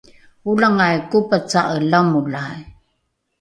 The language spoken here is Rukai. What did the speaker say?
olangai kopaca’e lamolai